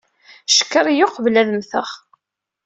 Cekker-iyi uqbel ad mmteɣ.